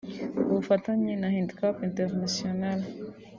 Ku bufatanye na Handicap International